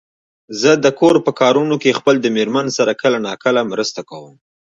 زه د کور په کارونو کې خپل د مېرمن سره کله ناکله مرسته کوم.